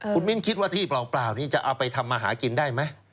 คุณมิ้นคิดว่าที่เปล่านี้จะเอาไปทำมาหากินได้ไหม